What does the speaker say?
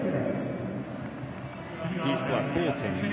Ｄスコア、５．６。